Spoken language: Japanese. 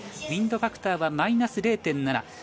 ウインドファクターはマイナス０．７。